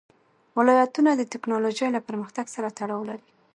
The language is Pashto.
ولایتونه د تکنالوژۍ له پرمختګ سره تړاو لري.